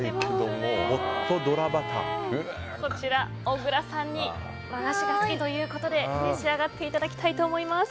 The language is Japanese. こちら小倉さんに和菓子が好きということで召し上がっていただきたいと思います。